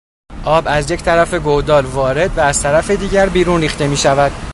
آب از یک طرف گودال وارد و از طرف دیگر بیرون ریخته میشود.